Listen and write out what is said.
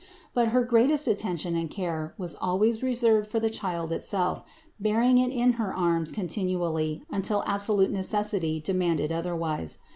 But her greatest attention and care was always reserved for the Child itself, bearing It in her arms continually unless absolute necessity demanded otherwise.